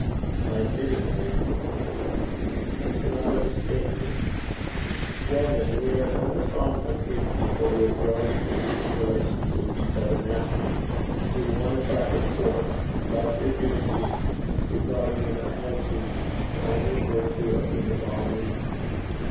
'By admitting no one.' 'I cannot understand you.' 'Well, then: we are an undefined company of people, who have grown into human relations with each other naturally, through one attractive force love for human beings, regarding them as human beings only in virtue of the divine in them.'